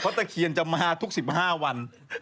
เพราะตะเคียนจะมาทุก๑๕วัน